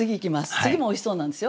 次もおいしそうなんですよ。